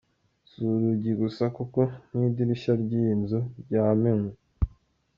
Si urugi gusa kuko n'idirishya ry'iyi nzu ryamenywe.